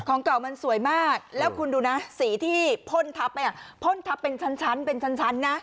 ของเก่ามันสวยมากแล้วคุณดูนะสีที่พ่นทับเนี่ยพ่นทับเป็นชั้นเป็นชั้นนะ